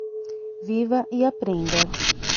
Viva e aprenda.